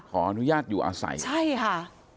ขออนุญาตอยู่อาศัยใช่ค่ะ